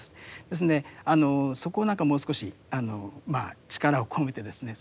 ですのでそこを何かもう少し力を込めてですね